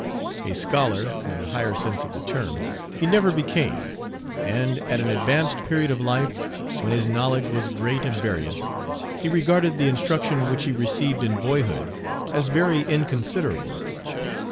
A scholar, in the higher sense of the term, he never became; and, at an advanced period of life, when his knowledge was great and various, he regarded the instruction which he received in boyhood as very inconsiderable.